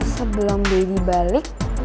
sebelum daddy balik